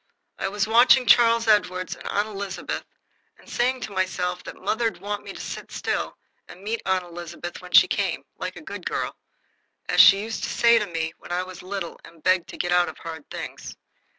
I was watching Charles Edward and Aunt Elizabeth, and saying to myself that mother'd want me to sit still and meet Aunt Elizabeth when she came "like a good girl," as she used to say to me when I was little and begged to get out of hard things.